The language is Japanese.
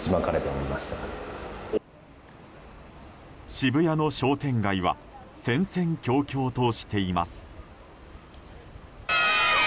渋谷の商店街は戦々恐々としています。